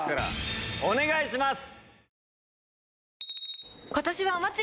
お願いします。